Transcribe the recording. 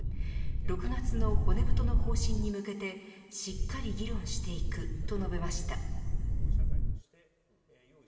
６月の骨太の方針に向けてしっかり議論していくと述べました。